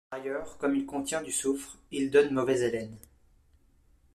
Par ailleurs, comme il contient du soufre, il donne mauvaise haleine.